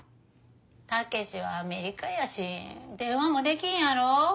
武志はアメリカやし電話もできんやろ？